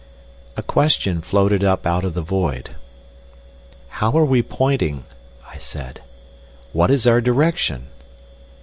A question floated up out of the void. "How are we pointing?" I said. "What is our direction?"